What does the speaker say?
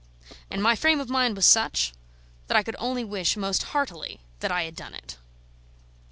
And my frame of mind was such, that I could only wish most heartily that I had done it.